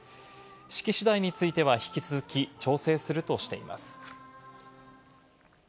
式次第については引き続き調整するとしています。